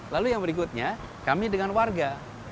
lalu yang berikutnya kami dengan warga